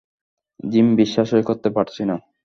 Gym, বিশ্বাসই করতে পারছি না।